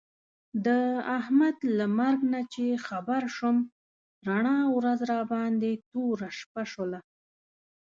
د احمد له مرګ نه چې خبر شوم، رڼا ورځ راباندې توره شپه شوله.